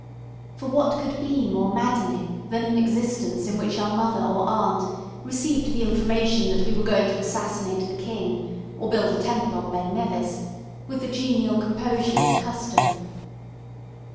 For what could be more maddening than an existence in which our mother or aunt received the information that we were going to assassinate the King or build a temple on Ben Nevis with the genial composure of custom?